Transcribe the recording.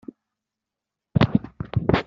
Wukud bɣant ad ssiwlent?